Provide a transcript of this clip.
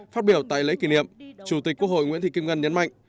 phát biểu tại lễ kỷ niệm chủ tịch quốc hội nguyễn thị kim ngân nhấn mạnh